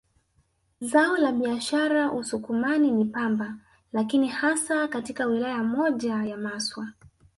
Zao la biashara Usukumani ni pamba lakini hasa katika wilaya moja ya Maswa